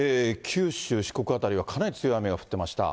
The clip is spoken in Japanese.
九州、四国辺りはかなり強い雨が降ってました。